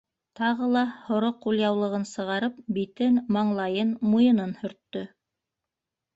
Тағы ла һоро ҡулъяулығын сығарып битен, маңлайын, муйынын һөрттө.